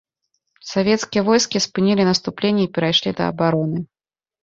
Савецкія войскі спынілі наступленне і перайшлі да абароны.